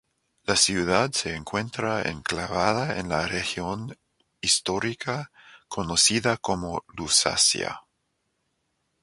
La ciudad se encuentra enclavada en la región histórica conocida como Lusacia.